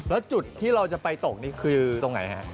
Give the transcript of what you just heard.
แล้วจุดที่เราจะไปตกนี่คือตรงไหนฮะ